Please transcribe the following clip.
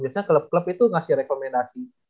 biasanya klub klub itu ngasih rekomendasi